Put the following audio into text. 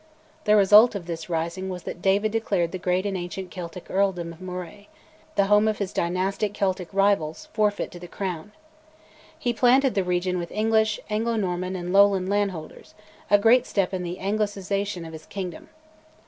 The result of this rising was that David declared the great and ancient Celtic Earldom of Moray the home of his dynastic Celtic rivals forfeit to the Crown. He planted the region with English, Anglo Norman, and Lowland landholders, a great step in the anglicisation of his kingdom.